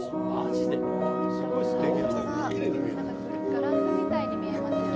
ガラスみたいに見えますよね。